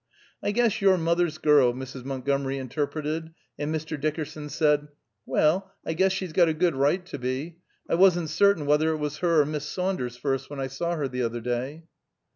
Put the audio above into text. "I guess you're mother's girl," Mrs. Montgomery interpreted, and Mr. Dickerson said: "Well, I guess she's got a good right to be. I wasn't certain whether it was her or Miss Saunders first when I saw her, the other day."